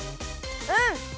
うん！